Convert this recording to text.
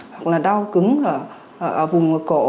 hoặc là đau cứng ở vùng cổ